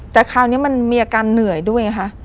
แต่คราวนี้มันมีอาการเหนื่อยด้วยไงคะ